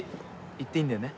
行っていいんだよね？